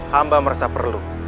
hamba merasa perlu